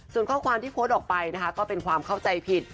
ส่วนข้อความที่โพสต์ออกไปนะคะก็เป็นความเข้าใจผิด